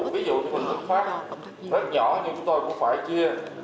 ví dụ như huỳnh thực pháp rất nhỏ nhưng tôi cũng phải chia